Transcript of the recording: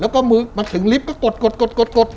แล้วก็มือมันถึงลิฟต์ก็กดกดกด